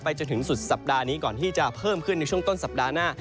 จนถึงสุดสัปดาห์นี้ก่อนที่จะเพิ่มขึ้นในช่วงต้นสัปดาห์หน้า